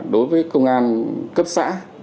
đối với công an cấp xã